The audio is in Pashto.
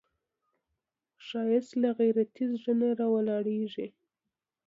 ښایست له غیرتي زړه نه راولاړیږي